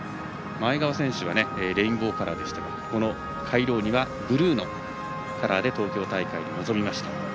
前川選手はレインボーカラーでしたけどこのカイローニはブルーのカラーで東京大会に臨みました。